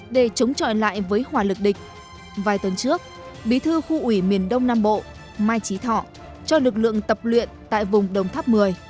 để chống chọi lại với hòa lực địch vài tuần trước bí thư khu ủy miền đông nam bộ mai trí thọ cho lực lượng tập luyện tại vùng đồng tháp một mươi